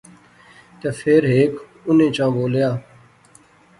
تے فیر ہیک انیں چا بولیا